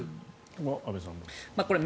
安部さんは。